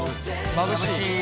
まぶしい。